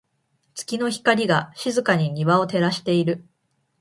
月の光が、静かに庭を照らしている。